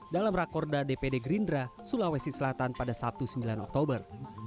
dalam rakorda dpd gerindra sulawesi selatan pada sabtu sembilan oktober